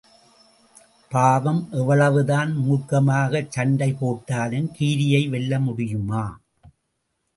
பாவம், எவ்வளவுதான் மூர்க்கமாகச் சண்டை போட்டாலும், கீரியை வெல்ல முடியுமா?